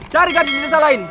carikan jenis yang lain